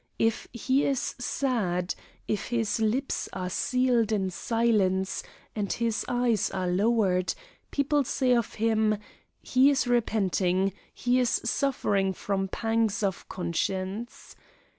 If he is sad, if his lips are sealed in silence, and his eyes are lowered, people say of him: 'He is repenting; he is suffering from pangs of conscience.